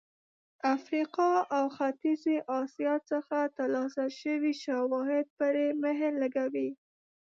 افریقا او ختیځې اسیا څخه ترلاسه شوي شواهد پرې مهر لګوي.